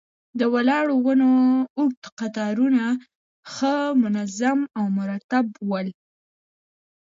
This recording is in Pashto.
د ولاړو ونو اوږد قطارونه ښه منظم او مرتب ول.